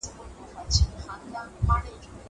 زه کولای سم بوټونه پاک کړم!